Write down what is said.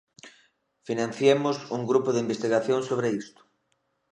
Financiemos un grupo de investigación sobre isto.